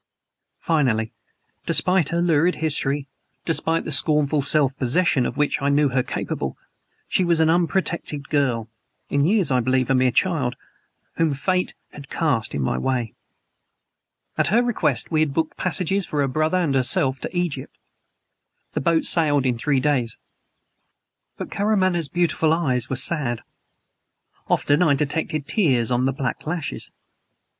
Finally, despite her lurid history, despite the scornful self possession of which I knew her capable, she was an unprotected girl in years, I believe, a mere child whom Fate had cast in my way. At her request, we had booked passages for her brother and herself to Egypt. The boat sailed in three days. But Karamaneh's beautiful eyes were sad; often I detected tears on the black lashes.